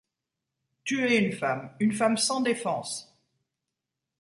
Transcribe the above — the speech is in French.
Tuer une femme, une femme sans défense!